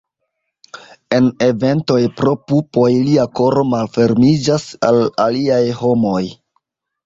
En eventoj pro pupoj, lia koro malfermiĝas al aliaj homoj.